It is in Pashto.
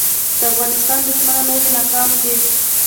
د افغانستان دښمنان ولې ناکام دي؟